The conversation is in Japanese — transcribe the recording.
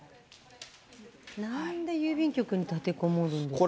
なんで郵便局に立てこもるんですかね。